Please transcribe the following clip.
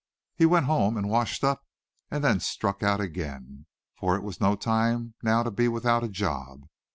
He went home and washed up, and then struck out again, for it was no time now to be without a job.